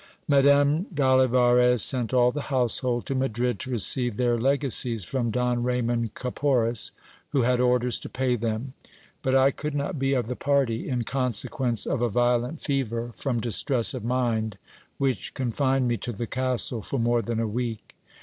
Madame d'Olivarez sent all the household to Madrid to receive their legacies from Don Raymond Caporis, who had orders to pay them ; but I could not be of the party, in consequence of a violent fever from distress of mind, which con fined me to the castle for more than a week.